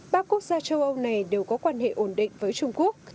ba quốc gia châu âu này đều có quan hệ ổn định với trung quốc